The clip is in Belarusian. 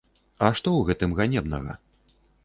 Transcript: А што ў гэтым ганебнага?